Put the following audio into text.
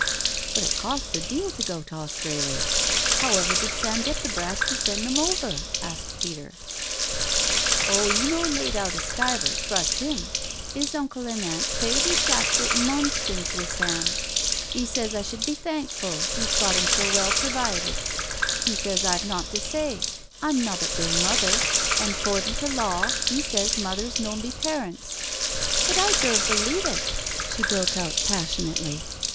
" But it costs a deal to go t* Australy. However did Sam get the brass to send 'em?" asked Peter. " Oh, 'e noan laid out a stiver, trust 'im— 'is uncle an' aunt's paid an' shappt it mons since wi' Sam. '£ sez I shud be thankfu' 'e's got 'em so well pervided — 'e sez I've naught to say, I'm nobbut theer mother, an' 'cordin' to law 'e sez mothers noan be parents — but I dumt believe it," she broke out passionately.